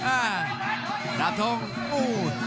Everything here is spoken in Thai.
อ่าดาบทงโอ้โห